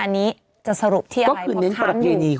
อันนี้จะสรุปที่อะไร